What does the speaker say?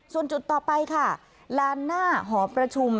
ส่วนจุดต่อไปค่ะลานหน้าหอประชุม